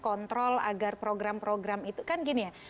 kontrol agar program program itu kan gini ya